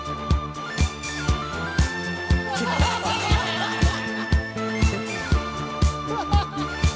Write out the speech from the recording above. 「ハハハハ！」